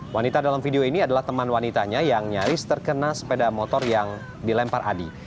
wanita dalam video ini adalah teman wanitanya yang nyaris terkena sepeda motor yang dilempar adi